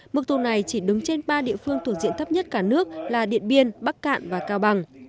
mức tù này chỉ đứng trên ba địa phương thủ diện thấp nhất cả nước là điện biên bắc cạn và cao bằng